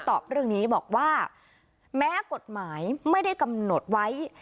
ตอบเรื่องนี้บอกว่าแม้กฎหมายไม่ได้กำหนดไว้